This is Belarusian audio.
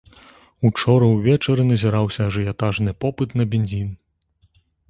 Учора ўвечары назіраўся ажыятажны попыт на бензін.